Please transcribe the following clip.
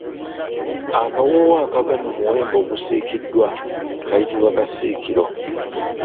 Akawoowo akava mu muwemba ogusiikiddwa kayitibwa kasiikiro.